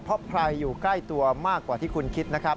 เพราะใครอยู่ใกล้ตัวมากกว่าที่คุณคิดนะครับ